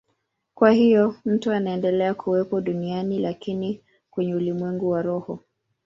Kwa hiyo mtu anaendelea kuwepo duniani, lakini kwenye ulimwengu wa roho.